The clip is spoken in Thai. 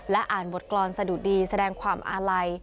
อ่านบทกรรมสะดุดีแสดงความอาลัย